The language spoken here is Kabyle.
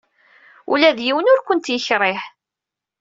Ula d yiwen ur kent-yekṛih.